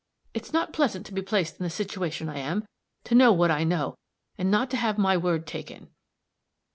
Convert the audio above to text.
It's not pleasant to be placed in the situation I am to know what I know, and not to have my word taken."